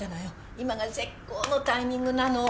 今が絶好のタイミングなの。